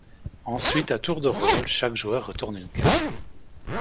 Ensuite, à tour de rôle, chaque joueur retourne une carte.